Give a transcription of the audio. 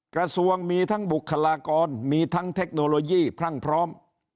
กระทรวงมีทั้งบุคลากรมีทั้งเทคโนโลยีพรั่งพร้อม